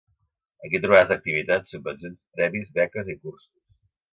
Aquí trobaràs activitats, subvencions, premis, beques i cursos.